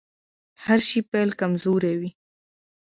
د هر شي پيل کمزوری وي .